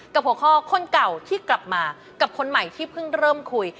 หัวข้อคนเก่าที่กลับมากับคนใหม่ที่เพิ่งเริ่มคุย